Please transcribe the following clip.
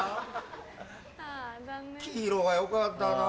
黄色がよかったな。